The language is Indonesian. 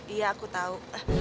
iya aku tahu